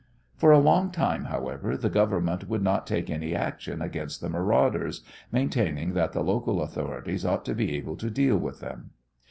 For a long time, however, the Government would not take any action against the marauders, maintaining that the local authorities ought to be able to deal with them.